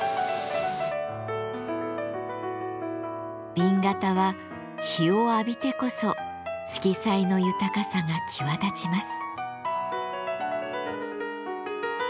紅型は陽を浴びてこそ色彩の豊かさが際立ちます。